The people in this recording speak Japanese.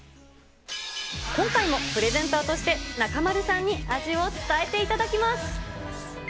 今回もプレゼンターとして中丸さんに味を伝えていただきます。